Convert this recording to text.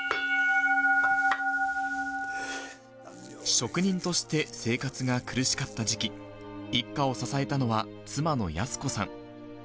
職人として生活が苦しかった時期、一家を支えたのは妻の靖子さん。